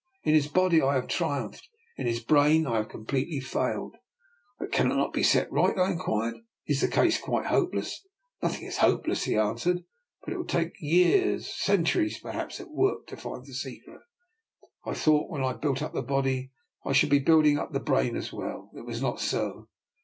In his body I have triumphed; in his brain I have completely failed." "But cannot this be set right?" I in quired. " Is the case quite hopeless? " "Nothing is hopeless," he answered; " but it will take years, centuries perhaps, of 268 DR NIKOLA'S EXPERIMENT. work to find the secret. I thought when I built up the body I should be building up the brain as well. It was not so.